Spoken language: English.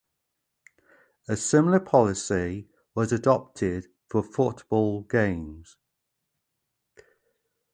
A similar policy was adopted for football games.